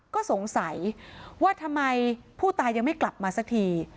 ก็สงสัยว่าทำไมผู้ตายยังไม่กลับมาสักที